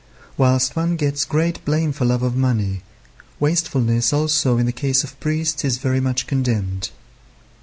Whilst one gets great blame for love of money; wastefulness, also, in the case of priests is very much condemned.